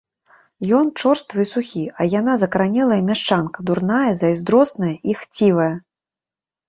Ён чорствы і сухі, а яна закаранелая мяшчанка, дурная, зайздросная і хцівая.